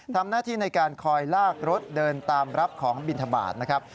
ทำหน้าที่ในการคอยลากรถเดินตามรับของบินทบาทนะครับ